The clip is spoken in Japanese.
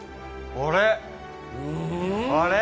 あれ？